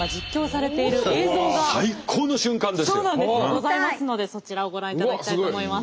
ございますのでそちらをご覧いただきたいと思います。